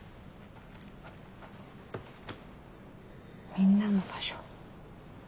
「みんなの場所」。